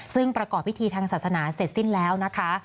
ซึ่งประกอบพิธีทางศาสนาเสร็จสิ้นแล้วนะคะ